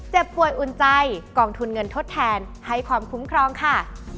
ป่วยอุ่นใจกองทุนเงินทดแทนให้ความคุ้มครองค่ะ